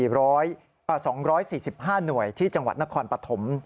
๔๐๐หรือ๒๔๕หน่วยที่จังหวัดนครปฐม